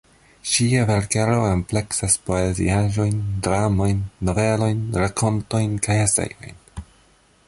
Ŝia verkaro ampleksas poeziaĵojn, dramojn, novelojn, rakontojn kaj eseojn.